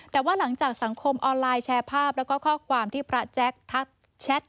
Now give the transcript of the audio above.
แต่ว่าหลังจากสังคมออนไลน์แชร์ภาพแล้วก็ข้อความที่พระแจ๊คทักแชท